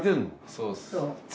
そうです。